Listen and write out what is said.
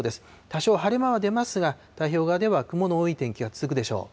多少、晴れ間は出ますが、太平洋側では雲の多い天気が続くでしょう。